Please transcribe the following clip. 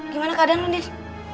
gimana keadaan lu din